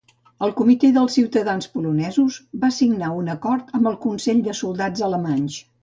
El Comitè dels ciutadans polonesos va signar un acord amb el Consell de Soldats alemanys.